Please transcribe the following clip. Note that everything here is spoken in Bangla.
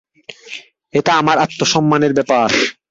এটা আমার আত্মসম্মানের ব্যাপার।